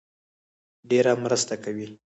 ډېره مرسته کوي